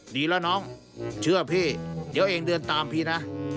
ดีแล้วน้องเชื่อพี่เดี๋ยวเองเดินตามพี่นะ